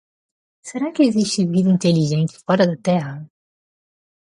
Será que existe vida inteligente fora da Terra?